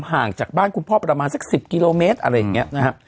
ห่างจากบ้านคุณพ่อประมาณสัก๑๐กิโลเมตรอะไรอย่างนี้นะครับ